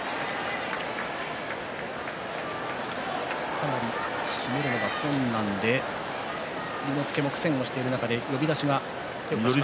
かなり締めるのが困難で伊之助も苦戦をしている中で呼出しが来ました。